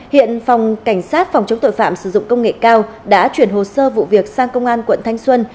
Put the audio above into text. hiện phòng cảnh sát phòng chống tội phạm sử dụng công nghệ cao đã chuyển hồ sơ vụ việc sang công an quận thanh xuân